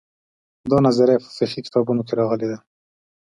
دا نظریه په فقهي کتابونو کې راغلې ده.